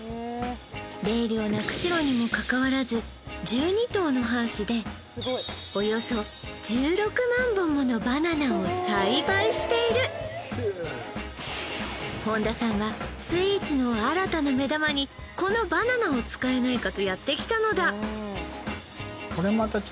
冷涼な釧路にもかかわらず１２棟のハウスでおよそ１６万本ものバナナを栽培している本田さんはスイーツの新たな目玉にこのバナナを使えないかとやってきたのだ